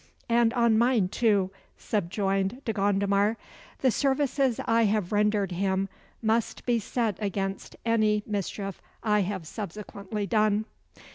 "And on mine, too," subjoined De Gondomar. "The services I have rendered him must be set against any mischief I have subsequently done."